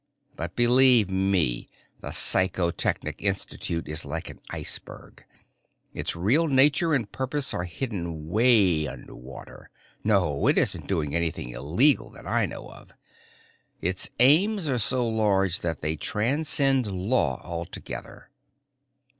But believe me the Psychotechnic Institute is like an iceberg. Its real nature and purpose are hidden way under water. No, it isn't doing anything illegal that I know of. Its aims are so large that they transcend law altogether."